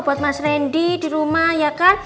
buat mas randy di rumah ya kan